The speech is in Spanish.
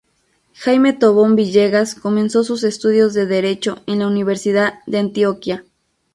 Jaime Tobón Villegas comenzó sus estudios de Derecho en la Universidad de Antioquia.